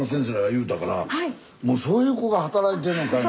もうそういう子が働いてるんかいな。